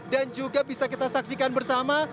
dan juga bisa kita saksikan bersama